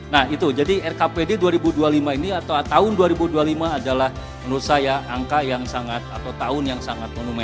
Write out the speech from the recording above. nah itu jadi rkpd dua ribu dua puluh lima ini atau tahun dua ribu dua puluh lima adalah menurut saya angka yang sangat atau tahun yang sangat monumen